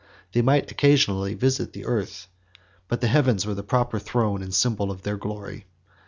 They might occasionally visit the earth, but the heavens were the proper throne and symbol of their glory.